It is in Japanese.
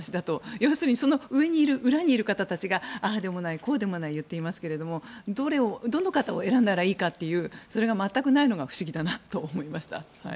要するに上にいる裏にいる方たちがああでもない、こうでもない言っていますがどの方を選んだほうがいいというそれが全くないのが不思議だなと思いました。